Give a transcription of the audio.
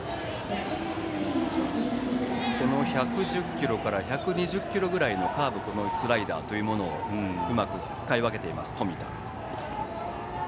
１１０キロから１２０キロぐらいのカーブとスライダーをうまく使い分けています、冨田。